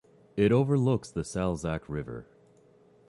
It overlooks the Salzach river.